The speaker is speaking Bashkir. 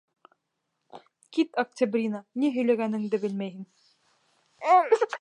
Кит, Октябрина, ни һөйләгәнеңде белмәйһең!